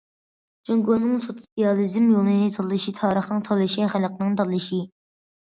جۇڭگونىڭ سوتسىيالىزم يولىنى تاللىشى تارىخنىڭ تاللىشى، خەلقنىڭ تاللىشى.